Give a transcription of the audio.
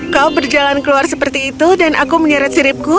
kau berjalan keluar seperti itu dan aku menyeret siripku